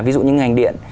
ví dụ những ngành điện